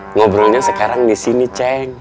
ngobrolnya sekarang di sini ceng